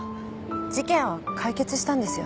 事件は解決したんですよね？